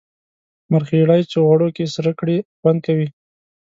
مرخیړي چی غوړو کی سره کړی خوند کوي